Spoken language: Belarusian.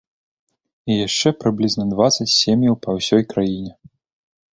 І яшчэ прыблізна дваццаць сем'яў па ўсёй краіне.